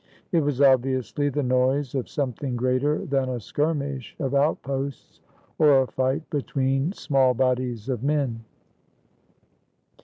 It was obviously the noise of something greater than a skirmish of outposts or a fight between small bodies of men.